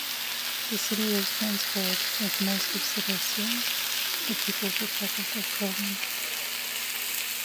The city was transferred, like most of Silesia, to the People's Republic of Poland.